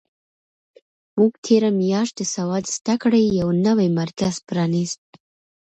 موږ تېره میاشت د سواد زده کړې یو نوی مرکز پرانیست.